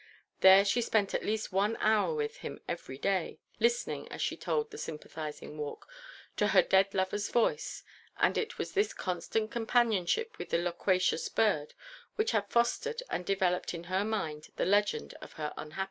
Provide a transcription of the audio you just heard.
There she spent at least one hour with him every day, listening, as she told the sympathising Walk, to her dead lover's voice; and it was this constant companionship with the loquacious bird which had fostered and developed in her mind the legend of her unhappy love.